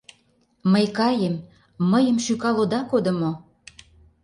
Мый каем, мыйым шӱкал ода кодо мо?